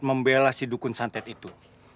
membela si dukun santet itu